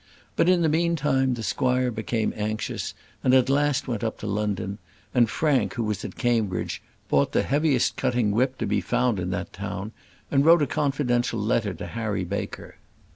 But, in the meanwhile, the squire became anxious, and at last went up to London; and Frank, who was at Cambridge, bought the heaviest cutting whip to be found in that town, and wrote a confidential letter to Harry Baker.